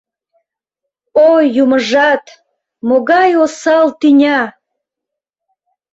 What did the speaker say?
О юмыжат, могай осал тӱня!